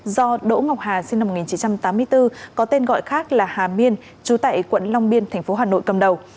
do đỗ ngọc hà sinh năm một nghìn chín trăm tám mươi bốn có tên gọi khác là hà miên trú tại quận long biên tp hà nội cầm đầu